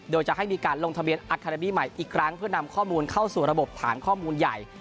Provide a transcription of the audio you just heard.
โดยจะให้มีการลงทะเบียนอัคาราบี้ใหม่อีกครั้งเพื่อนำข้อมูลเข้าสู่ระบบฐานข้อมูลใหญ่